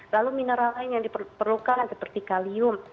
lalu mineral lain yang diperlukan seperti kalium